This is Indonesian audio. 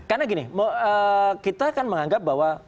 karena gini kita akan menganggap bahwa